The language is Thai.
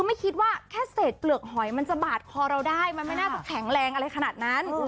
คุณไม่คิดว่าแค่เสร็จเปรือกหอยจักทุกอย่างก็จะบาดคอเราไม่ได้ไม่น่าจะแข็งแรงอะไรขนาดนั้น